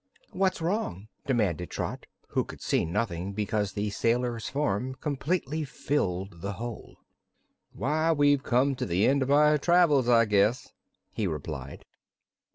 "What's wrong?" demanded Trot, who could see nothing because the sailor's form completely filled the hole. "Why, we've come to the end of our travels, I guess," he replied.